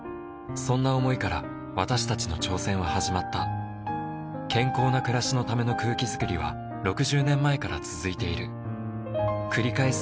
そんな想いから私たちの挑戦は始まった健康な暮らしのための空気づくりは６０年前から続いている繰り返す